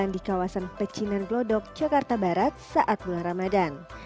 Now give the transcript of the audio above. di kawasan pecinan glodok jakarta barat saat bulan ramadan